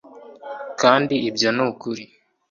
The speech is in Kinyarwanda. kandi ibyo ni ukuri